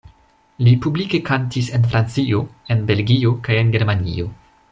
Li publike kantis en Francio, en Belgio kaj en Germanio.